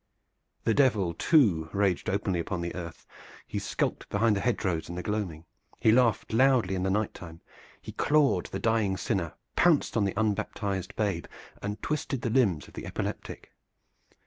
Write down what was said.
The Devil too raged openly upon the earth; he skulked behind the hedge rows in the gloaming; he laughed loudly in the night time; he clawed the dying sinner, pounced on the unbaptized babe, and twisted the limbs of the epileptic.